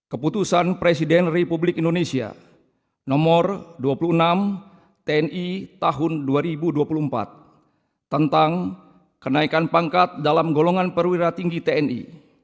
keputusan presiden republik indonesia nomor dua puluh enam tni tahun dua ribu dua puluh empat tentang kenaikan pangkat dalam golongan perwira tinggi tni